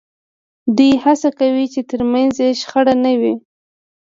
دوی هڅه کوي چې ترمنځ یې شخړه نه وي